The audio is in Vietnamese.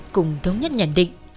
cùng thống nhất nhận định